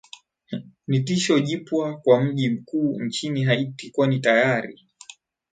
ni tisho jipwa kwa mji mkuu nchini haiti kwani tayari